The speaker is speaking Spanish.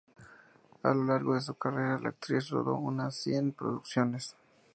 A lo largo de su carrera, la actriz rodó unas cien producciones.